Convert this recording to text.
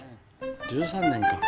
１３年か。